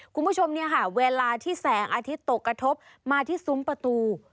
คุณผู้ชมเนี่ยค่ะเวลาที่แสงอาทิตย์ตกกระทบมาที่ซุ้มประตู